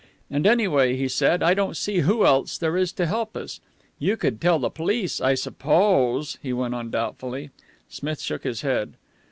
"And, anyway," he said, "I don't see who else there is to help us. You could tell the police, I suppose," he went on doubtfully. Smith shook his head.